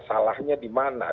salahnya di mana